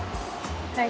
はい。